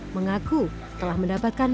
mengaku telah mendapatkan